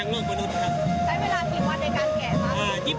๒๙วันน่าว่าเราจะได้รางวัลไหมคะ